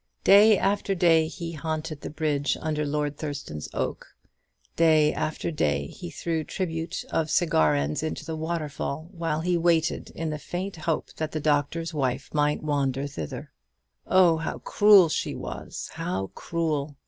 Day after day he haunted the bridge under Lord Thurston's oak; day after day he threw tribute of cigar ends into the waterfall, while he waited in the faint hope that the Doctor's Wife might wander thither. Oh, how cruel she was; how cruel!